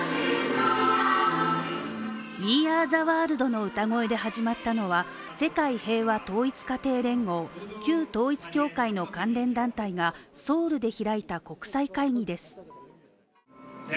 「ＷｅＡｒｅＴｈｅＷｏｒｌｄ」の歌声で始まったのは世界平和統一家庭連合旧統一教会の関連団体がソウルで開いた国際会議です。